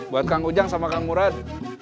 buat kang ujang sama kang murad